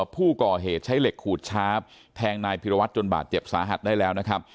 ผู้ก่อเหตุใช้เหล็กขูดชาร์ฟแทงนายพิรวัตรจนบาดเจ็บสาหัสได้แล้วนะครับ